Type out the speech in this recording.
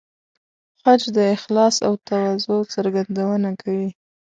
حج د اخلاص او تواضع څرګندونه کوي.